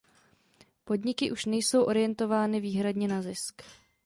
Podniky už nejsou orientovány výhradně na zisk.